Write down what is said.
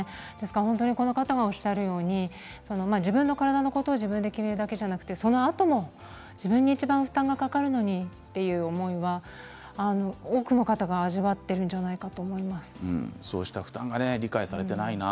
この方がおっしゃるように自分の体のことを自分で決めるだけではなくてその後も自分にいちばん負担がかかるのにという思いは多くの方が味わっているんじゃないかと思います。